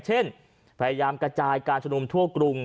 เช่นพยายามกระจายการชุมนุมทั่วกรุง